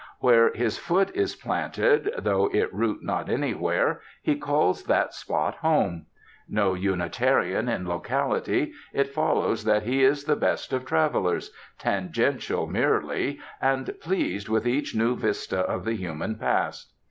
Where his foot is planted (though it root not anywhere), he calls that spot home. No Unitarian in locality, it follows that he is the best of travelers, tangential merely, and pleased with each new vista of the human Past.